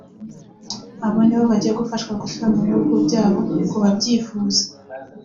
Abo nibo bagiye gufashwa gusubira mu bihugu byabo ku babyifuza